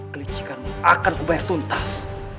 kelicikanmu akan kubayar tuntas